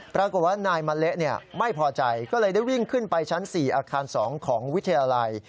ปรากฏว่านายมะเละไม่พอใจก็เลยได้วิ่งขึ้นไปชั้น๔อาคาร๒ของวิทยาลัย